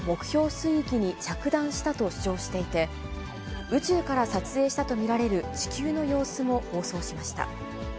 水域に着弾したと主張していて、宇宙から撮影したと見られる地球の様子も放送しました。